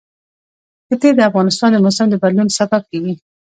ښتې د افغانستان د موسم د بدلون سبب کېږي.